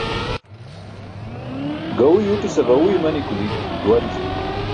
Gaẏu yuuṭise ġaẏu imani kuli duwalji.